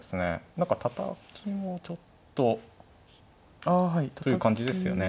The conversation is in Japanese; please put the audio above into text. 何かたたきもちょっとという感じですよね。